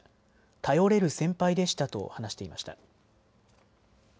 頼れる先輩でしたと話していました。